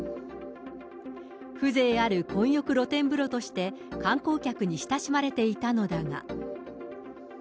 風情ある混浴露天風呂として、観光客に親しまれていたのだが。